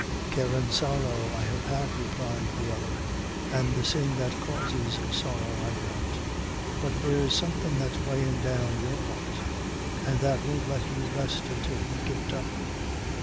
"Care an' sorrow I have had," replied the other, "an' the sin that causes sorrow, I grant; but there's somethin' that's weighin' down your heart, an' that won't let you rest until you give it up.